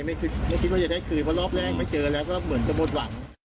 ไม่คิดว่าจะได้คืนเพราะรอบแรกมาเจอแล้วก็เหมือนจะหมดหวัง